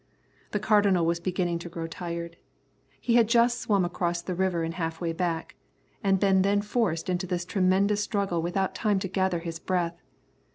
The Cardinal was beginning to grow tired. He had just swam across the river and half way back, and been then forced into this tremendous struggle without time to gather his breath.